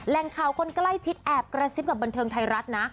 แหล่งข่าวคนใกล้ชิดแอบกระซิบกับบันเทิงไทยรัฐนะ